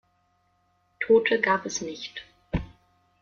Tote gab es nicht.